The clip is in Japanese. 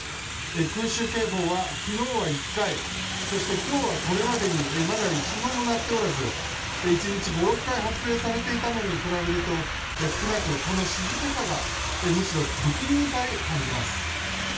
空襲警報は昨日は１回そして今日は、これまでにまだ一度も鳴っておらず１日５６回発令されていたのに比べると少なく、この静けさがむしろ不気味にさえ感じます。